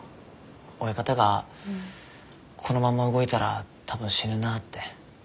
親方がこのまま動いたら多分死ぬなって。